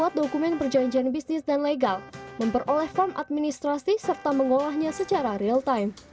lewat dokumen perjanjian bisnis dan legal memperoleh form administrasi serta mengolahnya secara real time